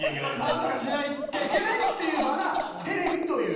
なんとかしなきゃいけないっていう場がテレビという。